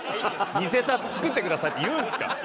ニセ札作ってくださいって言うんですか？